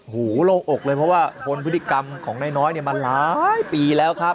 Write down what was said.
โหลงอกเลยเพราะว่าทนพฤติกรรมของนายน้อยมาหลายปีแล้วครับ